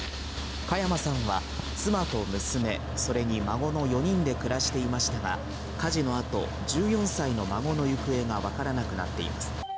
嘉山さんは妻と娘、それに孫の４人で暮らしていましたが、火事の後、１４歳の孫の行方がわからなくなっています。